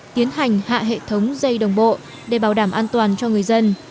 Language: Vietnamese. tiến hành hạ hệ thống dây đồng bộ để bảo đảm an toàn cho người dân